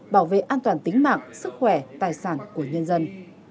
bảo vệ an toàn tính mạng sức khỏe tài sản của nhân dân